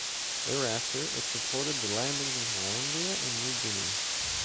Thereafter, it supported the landings in Hollandia and New Guinea.